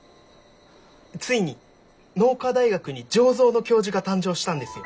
ついに農科大学に醸造の教授が誕生したんですよ。